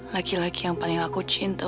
laki laki yang paling aku cinta